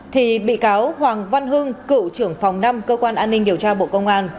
thì bị cáo hoàng văn hưng cựu trưởng phòng năm cơ quan an ninh điều tra bộ công an